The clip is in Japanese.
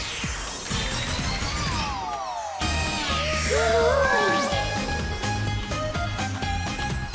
すごい！